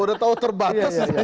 udah tau terbatas